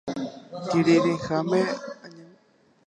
Kirirĩháme añembo'e mbykymi.